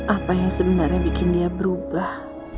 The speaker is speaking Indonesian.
apa yang sebenarnya bikin dia berubah